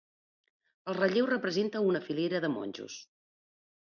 El relleu representa una filera de monjos.